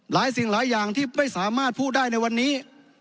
สิ่งหลายอย่างที่ไม่สามารถพูดได้ในวันนี้